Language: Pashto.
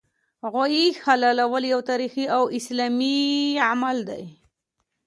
غوايي حلالول یو تاریخي او اسلامي عمل دی